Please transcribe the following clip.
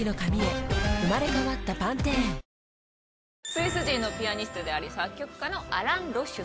スイス人のピアニストであり作曲家の。